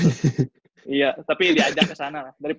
iya tapi diajak kesana lah